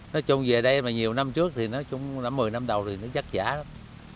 nói chung về đây mà nhiều năm trước nói chung một mươi năm đầu thì nó chắc giả lắm